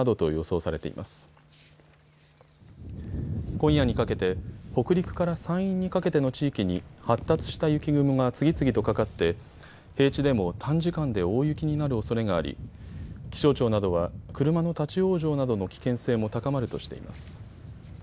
今夜にかけて北陸から山陰にかけての地域に発達した雪雲が次々とかかって平地でも短時間で大雪になるおそれがあり気象庁などは、車の立往生などの危険性も高まるとしています。